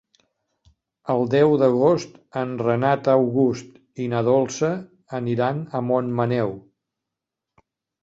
El deu d'agost en Renat August i na Dolça aniran a Montmaneu.